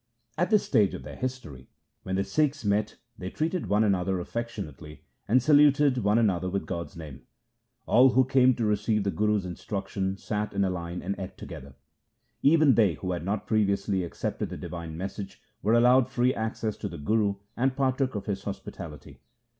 1 At this stage of their history, when the Sikhs met they treated one another affectionately, and saluted one another with God's name. All who came to receive the Guru's instruction sat in a line and ate together. Even they who had not previously accepted the divine message, were allowed free access to the Guru, and partook of his hospitality.